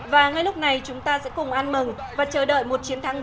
và ngay lúc này chúng ta sẽ cùng ăn mừng và chờ đợi một chiến thắng